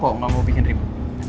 kok gak mau bikin ribu